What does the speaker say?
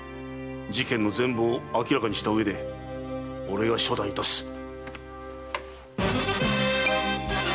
事件の全貌を明らかにしたうえで俺が処断いたす。